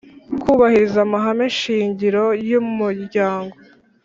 kubahiriza amahame shingiro yumuryango